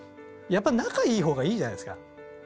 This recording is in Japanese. やっぱ仲いい方がいいじゃないですか。